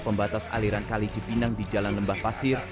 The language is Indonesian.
pembatas aliran kali cipinang di jalan lembah pasir